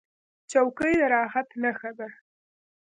چوکۍ د راحت نښه ده.